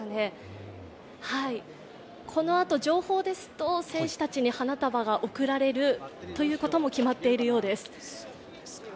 このあと、情報ですと選手たちに花束が贈られるということも決まっているようです。